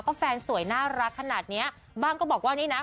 ก็แฟนสวยน่ารักขนาดเนี้ยบ้างก็บอกว่านี่นะ